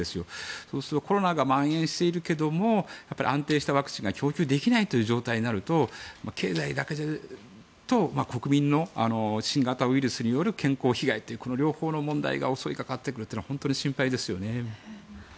そうするとコロナがまん延しているけれど安定したワクチンが供給できないという状態になると経済だけじゃなくて国民の新型ウイルスによる健康被害というこの両方の問題が襲いかかってくるというのは本当に心配ですよね。